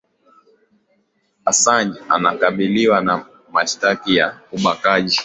asanj anakabiliwa na mashitaka ya ubakaji